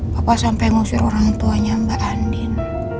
papa sampai ngusir orang tuanya mbak andin